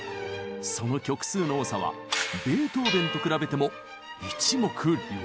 その曲数の多さはベートーベンと比べても一目瞭然。